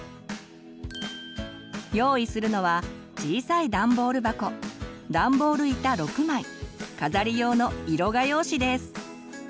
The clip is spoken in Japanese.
用意するのは小さいダンボール箱ダンボール板６枚飾り用の色画用紙です。